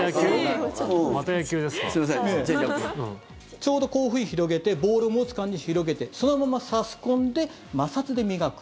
ちょうどこういうふうに広げてボールを持つ感じに広げてそのまま差し込んで摩擦で磨く。